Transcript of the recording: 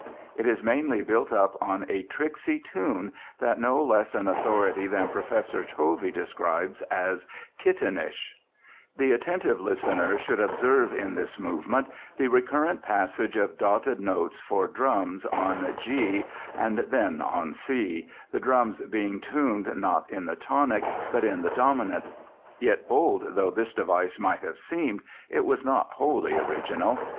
It is mainly built up on a tricksy tune that no less an authority than Professor Tovey described as "kittenish." [Illustration: play music] The attentive listener should observe in this movement the recurrent passage of dotted notes for drums on G and then on C, the drums being tuned not in the tonic, but in the dominant. Yet bold though this device might have seemed, it was not wholly original.